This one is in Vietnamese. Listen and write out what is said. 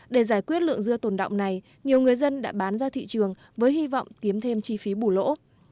để giải quyết lượng dưa tồn động này nhiều người dân đã bán ra thị trường với hy vọng kiếm thêm chi phí bù lỗ